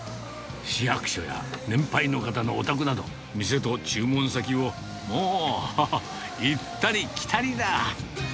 市役所や年配の方のお宅など、店と注文先をもう、行ったり来たりだ。